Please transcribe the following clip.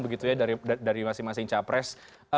begitu ya dari masing masing capres